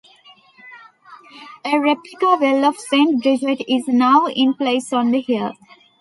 A Replica well of Saint Bridget is now in place on the hill.